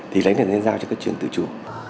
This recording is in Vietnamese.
thì lấy nền gian giao cho các trường tự chủ